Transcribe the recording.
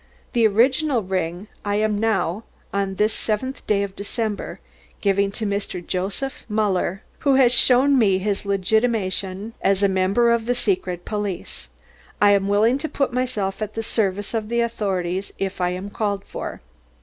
The original ring I am now, on this seventh day of December, giving to Mr. Joseph Mullet, who has shown me his legitimation as a member of the Secret Police. I am willing to put myself at the service of the authorities if I am called for."